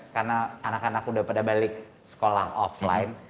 karena anak anak udah pada balik sekolah offline